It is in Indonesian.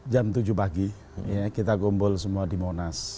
jam tujuh pagi kita kumpul semua di monas